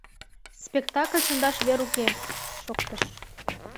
— Спектакль шындаш вер уке, — шоктыш.